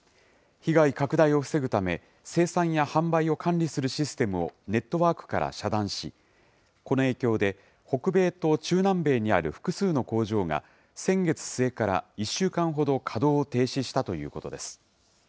被害拡大を防ぐため、生産や販売を管理するシステムをネットワークから遮断し、この影響で、北米と中南米にある複数の工場が先月末から１週間ほど稼働を停止したということです。